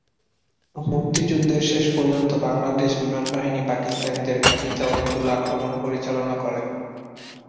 মুক্তিযুদ্ধের শেষ পর্যন্ত বাংলাদেশ বিমান বাহিনী পাকিস্তানিদের ঘাঁটিতে অনেকগুলো আক্রমণ পরিচালনা করে।